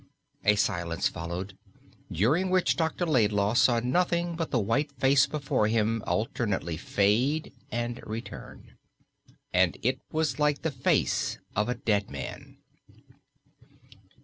A silence followed, during which Dr. Laidlaw saw nothing but the white face before him alternately fade and return. And it was like the face of a dead man.